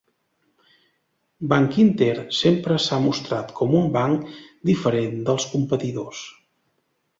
Bankinter sempre s'ha mostrat com un banc diferent dels competidors.